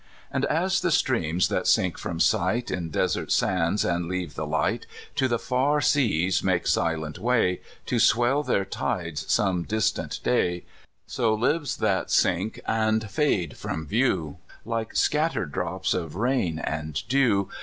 And as the streams that sink from sight In desert sands, and leave the light, To the far seas make silent way. To swell their tides some distant day — So lives that sink and fade from view. Like scattered drops of rain and dew.